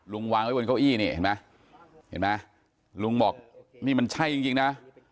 ลุงวางไว้บนเข้าอี้หนึ่งนะลุงบอกมันใช่จริงนะ